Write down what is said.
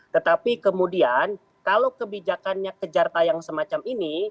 tetapi kemudian kalau kebijakannya kejar tayang semacam ini